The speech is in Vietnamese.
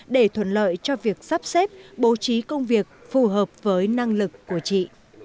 để thuận lợi cho việc sắp xếp bố trí công việc phù hợp với năng lực của chị